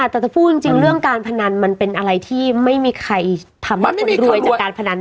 แต่ถ้าพูดจริงเรื่องการพนันมันเป็นอะไรที่ไม่มีใครทำให้คนรวยจากการพนัน